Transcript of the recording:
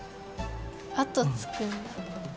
あとつくんだ。